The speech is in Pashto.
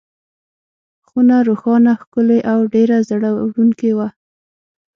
خونه روښانه، ښکلې او ډېره زړه وړونکې وه.